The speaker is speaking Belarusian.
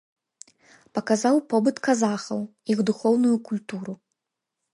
Паказаў побыт казахаў, іх духоўную культуру.